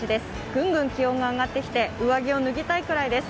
ぐんぐん気温が上がってきて、上着を脱ぎたいくらいです。